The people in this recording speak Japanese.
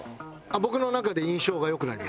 僕の中で印象が良くなります。